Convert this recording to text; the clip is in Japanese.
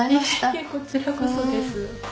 いえいえこちらこそです。